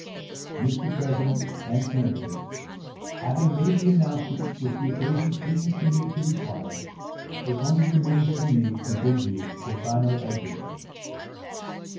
Mr. President and senators, having made the announcement which the occasion seemed to me to require, it only remains for me to bid you a final adieu.